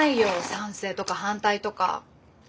賛成とか反対とか。